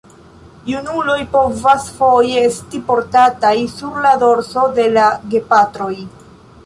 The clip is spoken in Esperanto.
Junuloj povas foje esti portataj sur la dorso de la gepatroj.